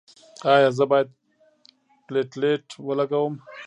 ایا زه باید پلیټلیټ ولګوم؟